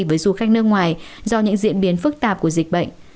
với du khách nước ngoài do những diễn biến phức tạp của dịch bệnh